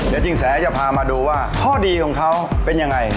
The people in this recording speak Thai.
เดี๋ยวสินแสจะพามาดูว่าข้อดีของเขาเป็นยังไง